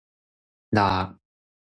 啦